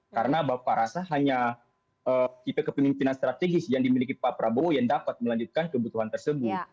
karena bapak rasa hanya kita kepemimpinan strategis yang dimiliki pak prabowo yang dapat melanjutkan kebutuhan tersebut